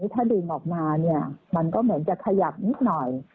ถ้าดึงออกมาเนี่ยมันก็เหมือนจะขยับนิดหน่อย